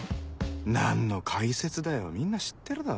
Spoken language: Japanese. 何の解説だよみんな知ってるだろ